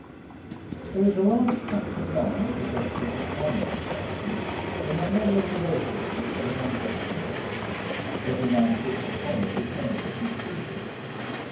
There is a large tract of land, possessed as a common, in Rasay. They have no regulations as to the number of cattle. Every man puts upon it as many as he chooses.